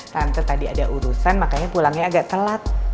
tante tadi ada urusan makanya pulangnya agak telat